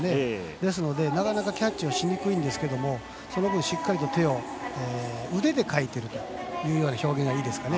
ですので、なかなかキャッチがしにくいんですがその分、しっかり手を腕でかいているという表現がいいですかね。